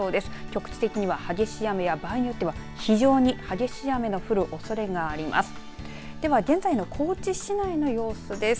局地的には激しい雨や場合によっては非常に激しい雨が降るおそれがあります。